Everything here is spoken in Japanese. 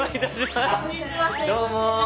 どうも。